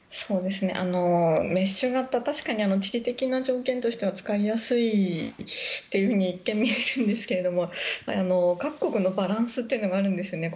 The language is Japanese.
メッシュ型確かに地理的な条件としては使いやすいと一見、見えるんですが各国のバランスというのがあるんですよね。